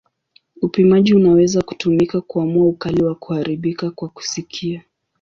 Upimaji unaweza kutumika kuamua ukali wa kuharibika kwa kusikia.